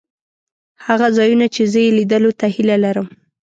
هغه ځایونه چې زه یې لیدلو ته هیله لرم.